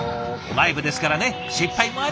ライブですからね失敗もある。